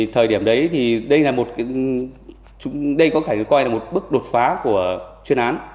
thời điểm đấy thì đây có thể coi là một bước đột phá của chuyên án